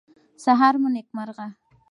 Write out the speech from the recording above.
سهار مو نیکمرغه